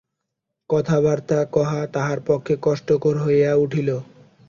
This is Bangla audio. কথাবার্তা কহা তাঁহার পক্ষে কষ্টকর হইয়া উঠিল।